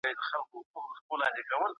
د سياستپوهني بنسټيز مفاهيم مه هېروئ.